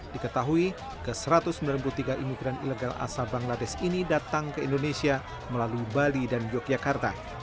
diketahui ke satu ratus sembilan puluh tiga imigran ilegal asal bangladesh ini datang ke indonesia melalui bali dan yogyakarta